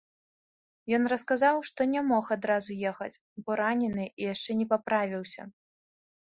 Ён расказаў, што не мог адразу ехаць, бо ранены і яшчэ не паправіўся.